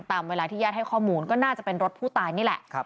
ตามเวลาที่ญาติให้ข้อมูลก็น่าจะเป็นรถผู้ตายนี่แหละ